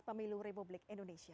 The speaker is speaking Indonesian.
pemilu republik indonesia